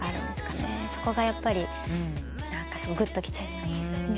そこがやっぱりぐっときちゃいます。